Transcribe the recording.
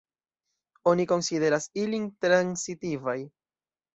Oni konsideras ilin transitivaj.